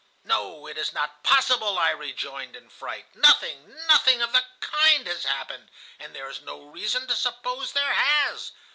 "'No, it is not possible' I rejoined in fright. 'Nothing, nothing of the kind has happened, and there is no reason to suppose there has.